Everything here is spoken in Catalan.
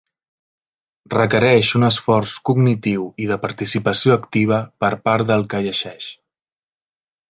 Requereix un esforç cognitiu i de participació activa per part del que llegeix.